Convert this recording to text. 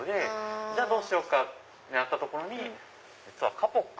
じゃあどうしようか？ってなったところにカポック。